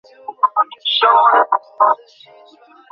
ঈশ্বর, ওর মুখখানা কেমন ফ্যাঁকাসে হয়ে গেছে!